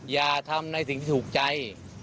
อย่าทำในสิ่งที่ถูกใจ